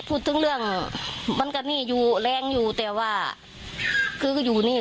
พูดถึงเรื่องมันกะหนี้อยู่แรงอยู่แต่ว่าอยู่หัวนี้